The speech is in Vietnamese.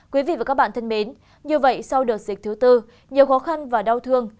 quý vị và các bạn thân mến như vậy sau đợt dịch thứ tư nhiều khó khăn và đau thương